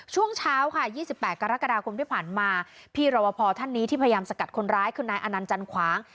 ช่วงเช้าค่ะ๒๘กรกฎาคมที่ผ่านมาพี่รวบพอท่านนี้ที่พยายามสกัดคนร้ายคือนายอนันต์จันขวาง